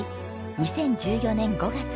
２０１４年５月。